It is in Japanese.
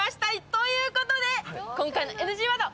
ということで、今回のＮＧワード